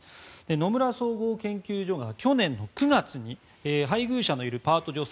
野村総合研究所が去年９月に配偶者のいるパート女性